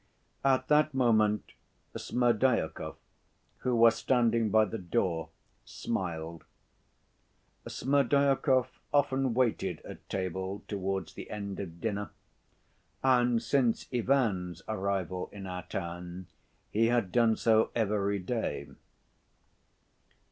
At that moment Smerdyakov, who was standing by the door, smiled. Smerdyakov often waited at table towards the end of dinner, and since Ivan's arrival in our town he had done so every day.